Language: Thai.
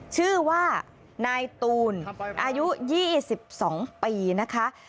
ชื่อว่านายตูนอายุ๒๒ปีนะคะ